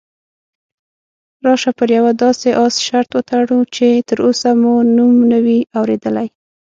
راشه پر یوه داسې اس شرط وتړو چې تراوسه مو نوم نه وي اورېدلی.